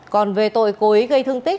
còn về tội cố ý gây thương tích